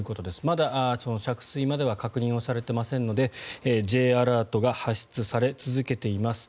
まだ着水までは確認をされていませんのでＪアラートが発出され続けています。